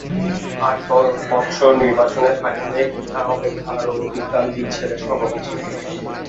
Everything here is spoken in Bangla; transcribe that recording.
আট বৎসর নির্বাসনে থাকিলে ইহা অপেক্ষা আরও অধিক কাল বিচ্ছেদের সম্ভাবনা ছিল।